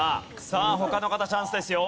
さあ他の方チャンスですよ。